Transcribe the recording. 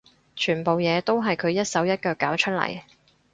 全部嘢都係佢一手一腳搞出嚟